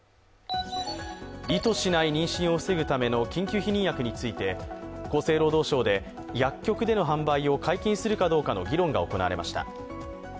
意図しない妊娠を防ぐための緊急避妊薬について厚生労働省で薬局での販売を解禁するかどうかの議論が行われました。